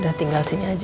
udah tinggal sini aja